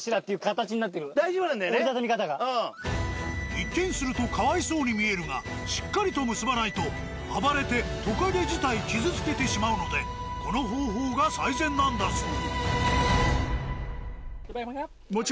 一見するとかわいそうに見えるがしっかりと結ばないと暴れてトカゲ自体傷つけてしまうのでこの方法が最善なんだそう。